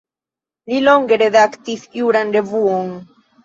Li longe redaktis juran revuon.